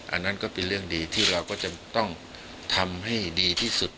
อันนั้นก็เป็นเรื่องดีที่เราก็จะต้องทำให้ดีที่สุด